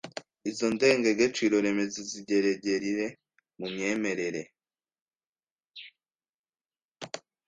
Izo ndengegeciro remezo zigeregerire mu myemerere